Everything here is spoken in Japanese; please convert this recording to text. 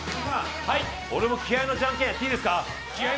俺も気合いのジャンケン、やっていいですか。